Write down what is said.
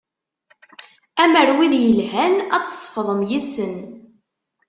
Amer wid yelhan ad tt-ṣefḍem yes-sen.